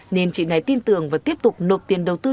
nên chị này tin tưởng và tiếp tục nộp tiền đầu tư